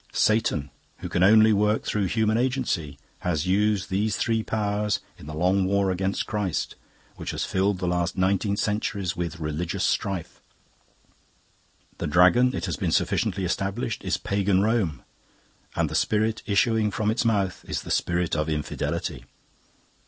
Satan, who can only work through human agency, has used these three powers in the long war against Christ which has filled the last nineteen centuries with religious strife. The Dragon, it has been sufficiently established, is pagan Rome, and the spirit issuing from its mouth is the spirit of Infidelity.